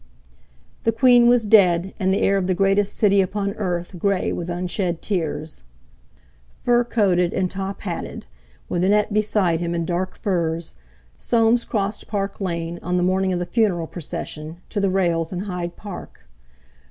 The Queen was dead, and the air of the greatest city upon earth grey with unshed tears. Fur coated and top hatted, with Annette beside him in dark furs, Soames crossed Park Lane on the morning of the funeral procession, to the rails in Hyde Park.